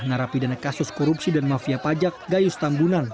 narapi dana kasus korupsi dan mafia pajak gayus tambunan